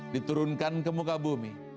diturunkan ke muka bumi